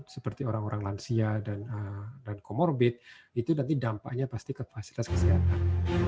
seperti orang orang lansia dan comorbid itu nanti dampaknya pasti ke fasilitas kesehatan